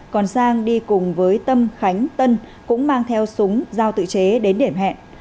còn sang đi cùng với tâm khánh tân cũng mang theo súng giao tự chế đến điểm hẹn